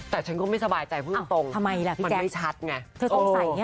แต่ฉันก็ไม่สบายใจพูดตรงมันไม่ชัดไง